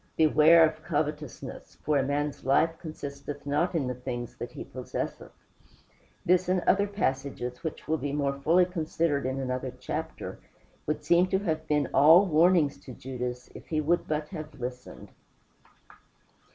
"Beware of covetousness, for a man's life consisteth not in the things that he possesseth;" this and other passages, which will be more fully considered in another chapter, would seem to have been all warnings to Judas, if he would but have listened.